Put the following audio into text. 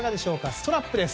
ストラップです。